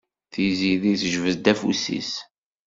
Tiziri tejbed afus-is.